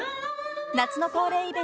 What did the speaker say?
［夏の恒例イベント